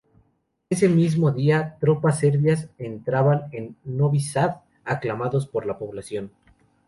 Ese mismo día, tropas serbias entraban en Novi Sad, aclamados por la población.